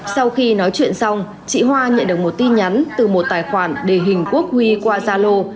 sau khi nói chuyện xong chị hoa nhận được một tin nhắn từ một tài khoản đề hình quốc huy qua zalo